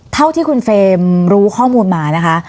เท่าที่คุณเฟรมรู้ข้อมูลมานะคะ